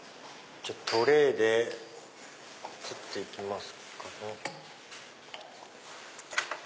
トレーで取っていきますか。